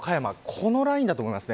このラインだと思います。